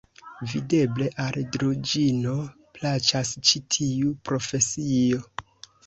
Videble, al Druĵino plaĉas ĉi tiu profesio!